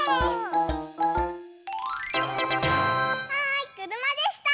はいくるまでした！